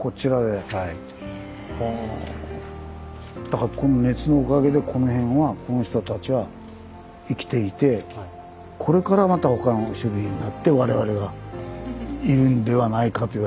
だからこの熱のおかげでこの辺はこのひとたちは生きていてこれからまた他の種類になって我々がいるんではないかといわれてるんです。